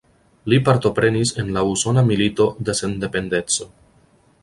Li partoprenis en la Usona Milito de Sendependeco.